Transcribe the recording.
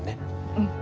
うん。